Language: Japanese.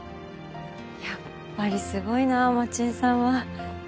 やっぱりすごいなぁ街絵さんは。